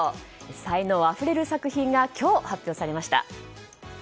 才能あふれる作品が今日、発表されました。